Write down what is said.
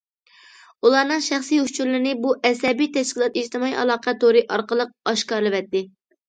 ئۇلارنىڭ شەخسىي ئۇچۇرلىرىنى بۇ ئەسەبىي تەشكىلات ئىجتىمائىي ئالاقە تورى ئارقىلىق ئاشكارىلىۋەتتى.